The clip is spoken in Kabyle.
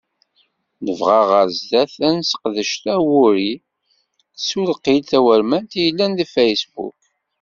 Nebɣa ɣer sdat ad nesseqdec tawuri n tsuqilt tawurmant i yellan deg Facebook.